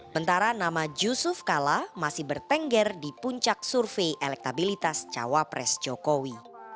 bentara nama yusuf kala masih bertengger di puncak survei elektabilitas cawapres jokowi